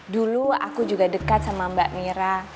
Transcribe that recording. dulu aku juga dekat sama mbak mira